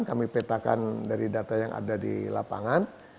kami petakan dari data yang ada di lapangan